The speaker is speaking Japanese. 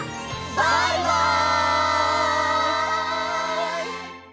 バイバイ！